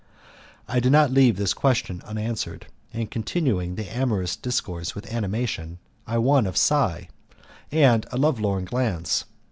I did not leave this question unanswered, and continuing the amorous discourse with animation I won a sigh and a lovelorn glance.